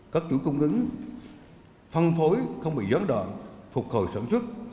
các chủ cung ứng phân phối không bị gián đoạn phục hồi sản xuất